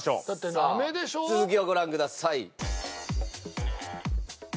さあ続きをご覧ください。